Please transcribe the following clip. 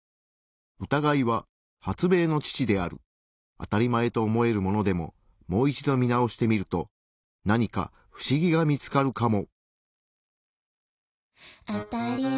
あたりまえと思えるものでももう一度見直してみるとなにかフシギが見つかるかも。